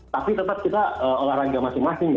tapi tetap kita olahraga masing masing